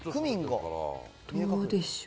どうでしょう。